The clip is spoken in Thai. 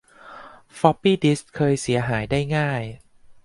ฟอปปี้ดิสเคยเสียหายได้ง่าย